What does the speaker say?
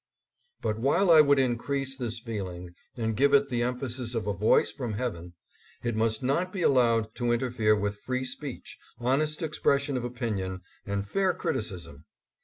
But while I would increase this feeling and give it the emphasis of a voice from heaven, it must not be allowed to interfere with free speech, honest expression of opinion, and fair criticism.